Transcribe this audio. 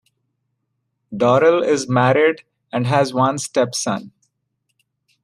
Dorrel is married and has one stepson.